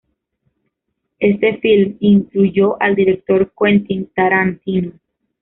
Este film influyó al director Quentin Tarantino.